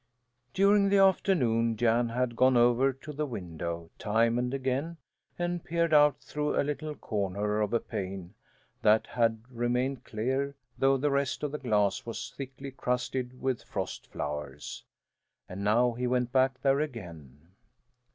During the afternoon Jan had gone over to the window, time and again, and peered out through a little corner of a pane that had remained clear, though the rest of the glass was thickly crusted with frost flowers. And now he went back there again.